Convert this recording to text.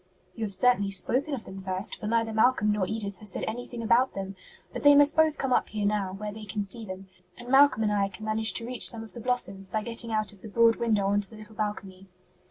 "You have certainly spoken of them first, for neither Malcolm nor Edith has said anything about them. But they must both come up here now, where they can see them, and Malcolm and I can manage to reach some of the blossoms by getting out of the broad window on to the little balcony."